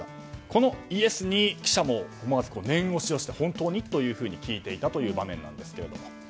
このイエスに記者も思わず念押しをして本当に？と聞いていたという場面です。